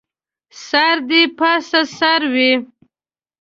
سر دې پاسه سر وي